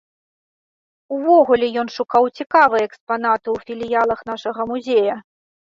Увогуле ён шукаў цікавыя экспанаты ў філіялах нашага музея.